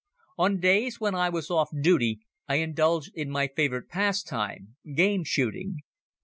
On days when I was off duty I indulged in my favorite pastime, game shooting.